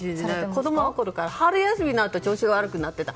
私は子供のころから春休みのあと調子が悪くなっていた。